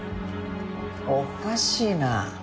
おかしいな。